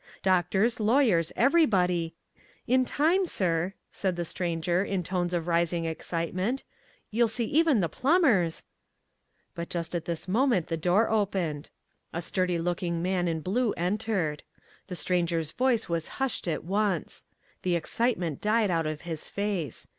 Doctors, lawyers, everybody, in time, sir," said the Stranger, in tones of rising excitement, "you'll see even the plumbers " But just at this moment the door opened. A sturdy looking man in blue entered. The Stranger's voice was hushed at once. The excitement died out of his face.